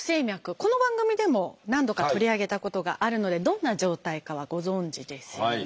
この番組でも何度か取り上げたことがあるのでどんな状態かはご存じですよね？